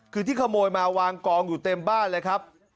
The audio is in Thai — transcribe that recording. คือที่ขโมยมาวางกองอยู่เต็มบ้านเลยครับ